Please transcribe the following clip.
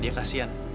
dia merasa bersalah